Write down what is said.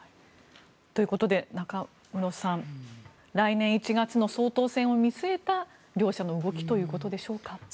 ということで中室さん来年１月の総統選を見据えた両者の動きということでしょうか。